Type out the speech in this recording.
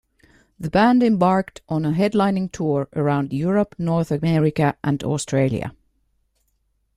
The band embarked on a headlining tour around Europe, North America and Australia.